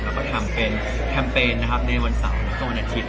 แล้วก็ทำเป็นแคมเปญนะครับในวันเสาร์แล้วก็วันอาทิตย